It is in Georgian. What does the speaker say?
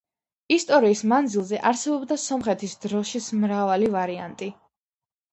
ისტორიის მანძილზე არსებობდა სომხეთის დროშის მრავალი ვარიანტი.